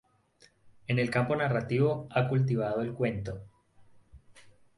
En el campo narrativo ha cultivado el cuento.